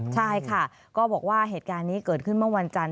ใช่ค่ะก็บอกว่าเหตุการณ์นี้เกิดขึ้นเมื่อวันจันทร์